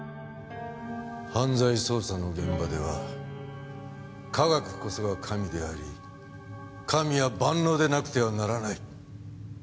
犯罪捜査の現場では科学こそが神であり神は万能でなくてはならない。